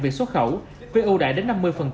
về xuất khẩu với ưu đại đến năm mươi